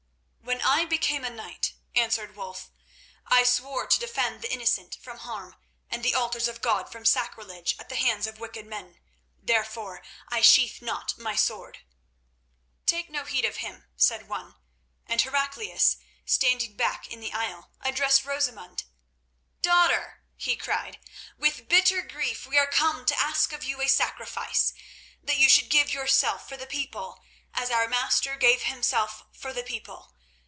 "When I became a knight," answered Wulf, "I swore to defend the innocent from harm and the altars of God from sacrilege at the hands of wicked men. Therefore I sheathe not my sword." "Take no heed of him," said one; and Heraclius, standing back in the aisle, addressed Rosamund: "Daughter," he cried, "with bitter grief we are come to ask of you a sacrifice, that you should give yourself for the people, as our Master gave Himself for the people.